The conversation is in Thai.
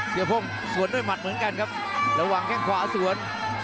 พ่งสวนด้วยหมัดเหมือนกันครับระหว่างแข้งขวาสวน